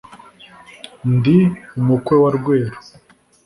ndi umukwe wa rweru